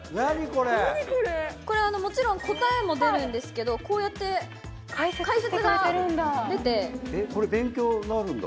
これはもちろん答えも出るんですけどこうやって解説が出てこれ勉強になるんだ